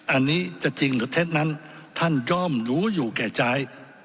อันนี้จะจริงหรือเท็จนั้นท่านย่อมรู้อยู่แก่ใจ